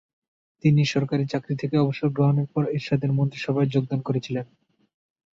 তিনি সরকারি চাকরি থেকে অবসর গ্রহণের পর এরশাদের মন্ত্রিসভায় যোগদান করেছিলেন।